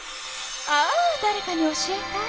ああだれかに教えたい。